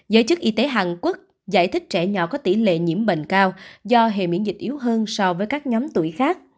giới chức y tế hàn quốc giải thích trẻ nhỏ có tỷ lệ nhiễm bệnh cao do hệ miễn dịch yếu hơn so với các nhóm tuổi khác